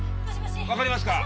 わかりますか！？